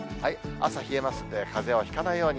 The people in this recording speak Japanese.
朝冷えますので、かぜをひかないように。